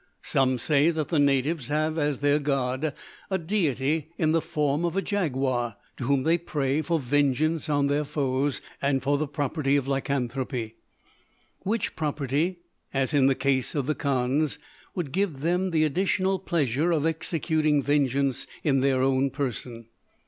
Some say that the natives have as their god a deity in the form of a jaguar, to whom they pray for vengeance on their foes and for the property of lycanthropy; which property (vide the case of the Kandhs) would give them the additional pleasure of executing vengeance in their own person.